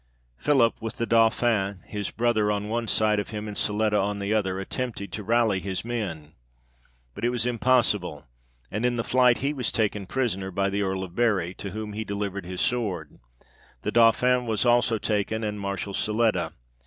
Philip, with the Dauphin his brother on one side of him, and Siletta on the other, attempted to rally his men, but it was impossible, and in the flight he was taken prisoner by the Earl of Bury, to whom he delivered his sword : the Dauphin was also taken, and Marshal Siletta.